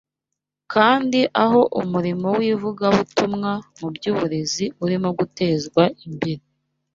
kandi aho umurimo w’ivugabutumwa mu by’uburezi urimo gutezwa imbere